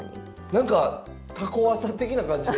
何かタコワサ的な感じで。